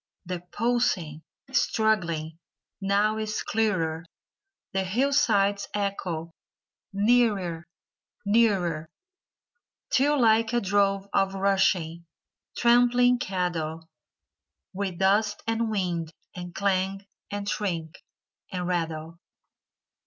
The pulsing, struggling, now is clearer! The hillsides echo nearer, nearer," Till like a drove of rushing, trampling cattle. With dust and wind and clang and shriek and rattle.